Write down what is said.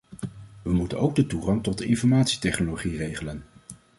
We moeten ook de toegang tot de informatietechnologie regelen.